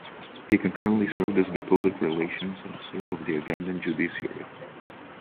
He concurrently served as the Public Relations Officer of the Uganda Judiciary.